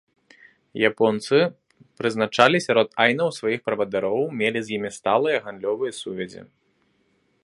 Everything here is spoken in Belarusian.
Японцы прызначалі сярод айнаў сваіх правадыроў, мелі з імі сталыя гандлёвыя сувязі.